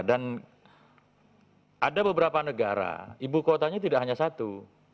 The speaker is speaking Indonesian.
dan ada beberapa negara ibu kotanya tidak hanya satu